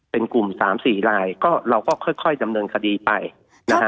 เป็นกลุ่มสามสี่รายก็เราก็ค่อยดำเนินคดีไปนะฮะ